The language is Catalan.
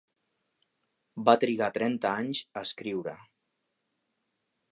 Va trigar trenta anys a escriure.